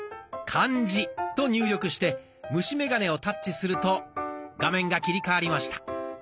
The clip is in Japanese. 「漢字」と入力して虫眼鏡をタッチすると画面が切り替わりました。